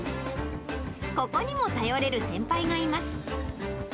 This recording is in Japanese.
ここにも頼れる先輩がいます。